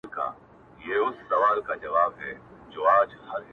خبر سوم چي یو څرک یې لېونیو دی میندلی-